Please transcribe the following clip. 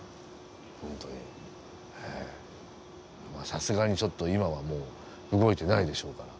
さすがにちょっと今はもう動いてないでしょうから。